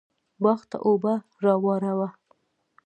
باغ ته اوبه راواړوه